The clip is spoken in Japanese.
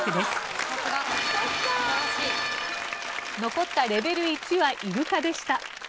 残ったレベル１はイルカでした。